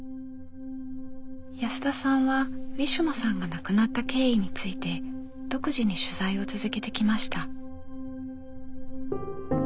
安田さんはウィシュマさんが亡くなった経緯について独自に取材を続けてきました。